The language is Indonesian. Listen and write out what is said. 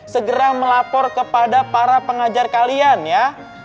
segera melapor kepada para pengajar kalian ya